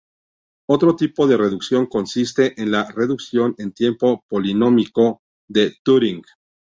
Otro tipo de reducción consiste en la "reducción en tiempo polinómico de Turing".